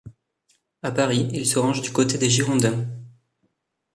A Paris, il se range du côté des Girondins.